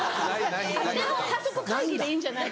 家族会議でいいんじゃない？